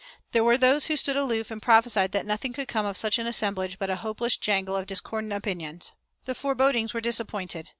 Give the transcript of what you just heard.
There were those who stood aloof and prophesied that nothing could come of such an assemblage but a hopeless jangle of discordant opinions. The forebodings were disappointed.